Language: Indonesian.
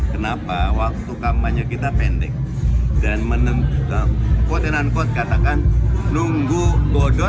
kenapa waktu kampanye kita pendek dan menentukan quote and unquote katakan nunggu bodoh